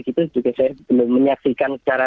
itu juga saya belum menyaksikan secara